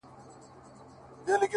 د ځناورو په خوني ځنگل کي،